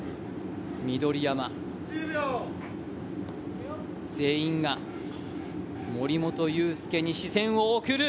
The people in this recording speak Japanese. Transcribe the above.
緑山全員が森本裕介に視線を送る。